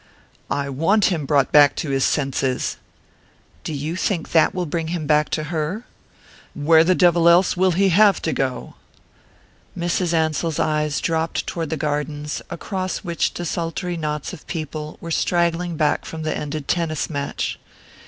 "I want him brought back to his senses." "Do you think that will bring him back to her?" "Where the devil else will he have to go?" Mrs. Ansell's eyes dropped toward the gardens, across which desultory knots of people were straggling back from the ended tennis match.